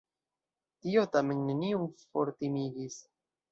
Tio tamen neniun fortimigis.